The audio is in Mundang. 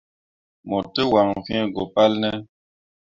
Mo te waŋ fĩĩ go palne ?